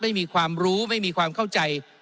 ไม่มีความรู้ไม่มีความเข้าใจ